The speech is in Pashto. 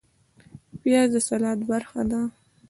پیاز د سلاد برخه ده